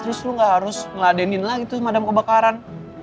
terus lo nggak harus ngeladenin lagi tuh madam kebakaran